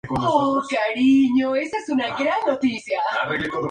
Su plumaje es muy llamativo.